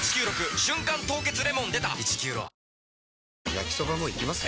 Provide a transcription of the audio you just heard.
焼きソバもいきます？